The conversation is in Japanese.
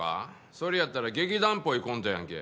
それやったら劇団っぽいコントやんけ。